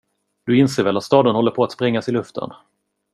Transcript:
Du inser väl att staden håller på att sprängas i luften.